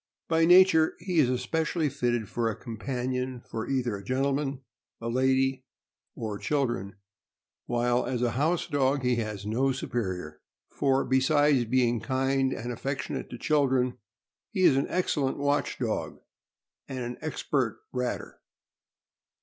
By nature he is especially fitted for a companion for either a gentleman, a lady, or children, while as a house dog he has no superior; for, besides being kind and affec tionate to children, he is an excellent watch dog and an expert ratter.